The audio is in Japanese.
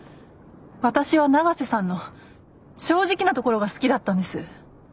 私は永瀬さんの正直なところが好きだったんです。